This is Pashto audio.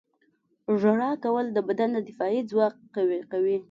• ژړا کول د بدن دفاعي ځواک قوي کوي.